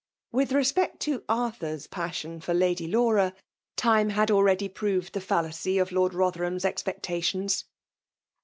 With respect to Arthur's passioai toft Lady Laura, time had already proved the JUlacy of Lord Rotherham's expectatiofis.